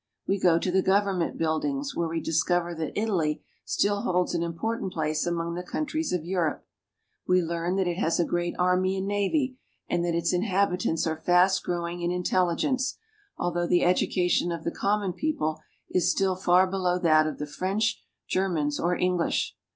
. We go to the government buildings, where we discover that Italy still holds an important place among the countries of Europe. We learn that it has a great army and navy, and that its inhabitants are fast growing in intelligence, although the education of the common people is still far below that of the French, Germans, or English.